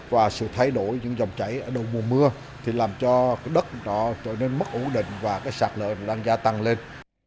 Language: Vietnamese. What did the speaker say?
và sự thay đổi những dòng chảy ở đầu mùa mưa thì làm cho đất trở nên mất ủ định và sạt lở đang gia tăng lên